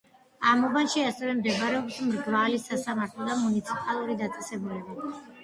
ამ უბანში ასევე მდებარეობს მრავალი სასამართლო და მუნიციპალური დაწესებულება.